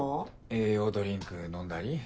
栄養ドリンク飲んだり？